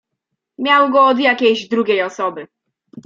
"Miał go od jakiejś drugiej osoby."